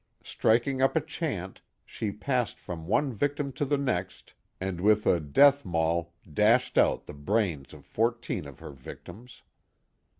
Striking up a chant, she passed from one victim to the next, and with a death maul dashed out the brains of fourteen of her victims.